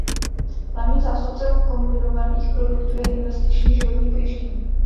Hlavním zástupcem kombinovaných produktů je investiční životní pojištění.